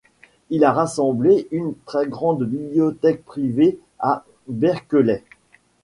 Il a rassemblé une très grande bibliothèque privée à Berkeley.